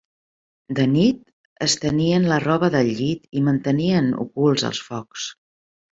De nit, estenien la roba de llit i mantenien ocults els focs.